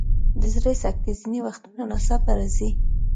د زړه سکته ځینې وختونه ناڅاپه راځي.